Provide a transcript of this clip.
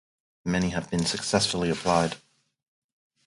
Many have been successfully applied.